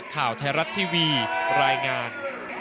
ข่าวไทยรัฐทีวีรายงาน